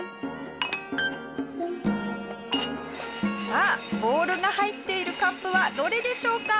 さあボールが入っているカップはどれでしょうか？